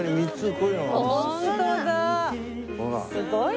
すごいな。